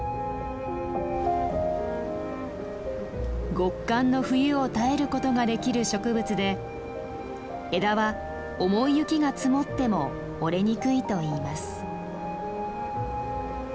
極寒の冬を耐えることができる植物で枝は重い雪が積もっても折れにくいといいます。